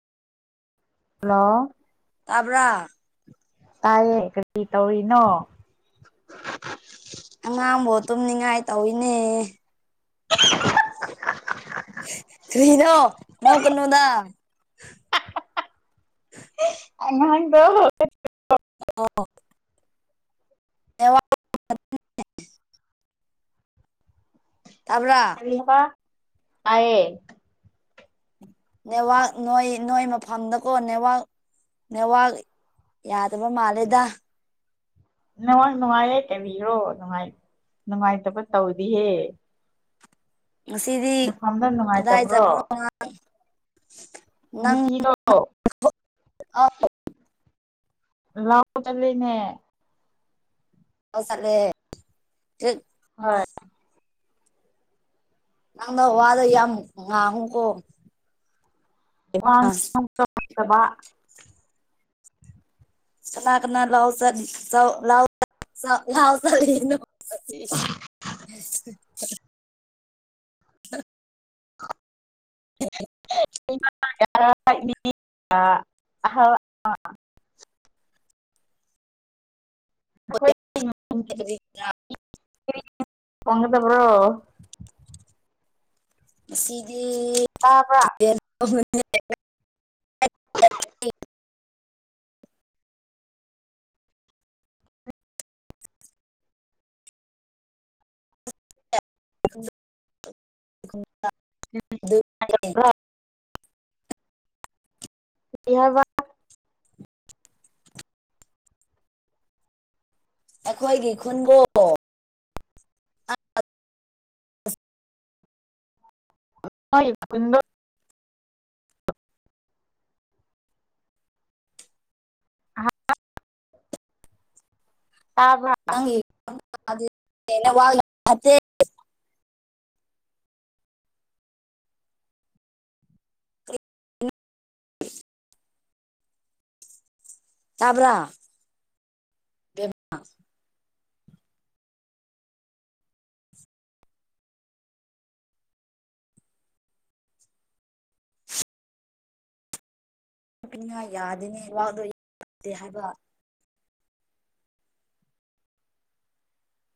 hello ꯇꯥꯕ꯭ꯔ ꯇꯥꯏꯌꯦ ꯀꯔꯤ ꯇꯧꯔꯤꯅꯣ ꯑꯉꯥꯡꯕꯨ ꯇꯨꯝꯅꯤꯡꯉꯥꯏ ꯇꯧꯏꯤꯅꯦ [inaudible] ꯊꯩꯅꯣ ꯃ ꯀꯅꯅꯨꯡꯗ ꯅꯍꯥꯟꯗꯣ ꯑꯣ ꯅꯦꯋꯥ [inaudible] [inaudible] ꯄꯥ ꯑ ꯅꯦꯋꯥꯥꯛ ꯅꯣꯏ ꯅꯣꯏ ꯃꯐꯝꯗꯀꯣ ꯅꯦꯋꯥꯛ ꯅ ꯋꯥ ꯌꯥꯗꯕ ꯃꯥꯂꯦꯗ ꯅꯨꯡꯉꯥꯏ ꯅꯨꯡꯉꯥꯏꯌꯦꯦ ꯀꯩꯕꯤꯔꯣꯅꯨꯡꯉꯥꯏ ꯅꯨꯡꯉꯥꯏꯇꯕ ꯇꯧꯗꯤꯍꯦ ꯃ ꯁꯤꯗꯤ ꯅꯐꯝꯗꯣ ꯌꯥꯏ ꯆ ꯅꯨꯡꯉꯥꯏꯇꯕ꯭ꯔꯣ ꯄꯣꯕꯥ ꯁꯤꯗ ꯑꯥꯎ ꯂꯑꯣ ꯆ ꯑ ꯆꯁꯠꯂꯦ ꯆ ꯍꯣꯏ ꯅꯪꯗ ꯋꯥꯗ ꯌꯥꯝ ꯑ ꯍꯨꯀꯣ ꯋꯥꯕ ꯀꯅꯥ ꯀꯅꯥ ꯂꯥꯎ ꯆ ꯂ ꯂꯥꯎ ꯆ [inaudible] ꯍ ꯑꯍꯥꯎ ꯣꯏ ꯋꯥꯉꯗ ꯄꯨ꯭ꯔꯣ ꯁꯤꯗꯤ ꯇꯥꯕ꯭ꯔꯥ ꯑꯗꯨ ꯍ ꯋꯥ ꯑꯩꯈꯣꯏꯒꯤ ꯈꯨꯟꯕꯨꯣ ꯑ ꯇꯥꯕ ꯅ ꯋꯥ [inaudible] ꯇꯥꯕ꯭ꯔ ꯅ ꯌꯥꯗꯤꯅꯦ ꯋꯥꯗꯣ ꯌꯥꯗꯦ ꯍꯥꯏꯕ